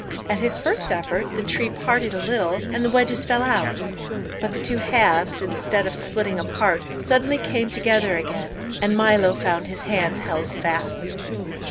At his first effort the tree parted a little, and the wedges fell out; but the two halves, instead of splitting apart, suddenly came together again, and Milo found his hands held fast.